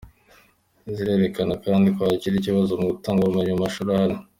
Zirerekana kandi ko hakiri ikibazo mu gutanga ubumenyi mu mashuri ahari.